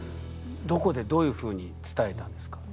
どこでどういうふうに伝えたんですか？